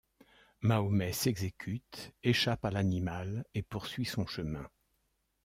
Mahomet s’exécute, échappe à l'animal et poursuit son chemin.